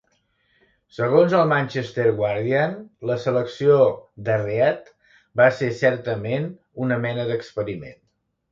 Segons el "Manchester Guardian", la selecció de Read va ser, certament, una mena d'experiment.